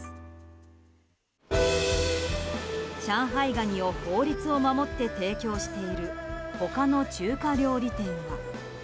ガニを法律を守って提供している他の中華料理店は。